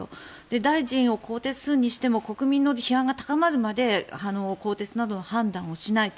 大臣を更迭するにしても国民の不満が高まるまで更迭などの判断をしないと。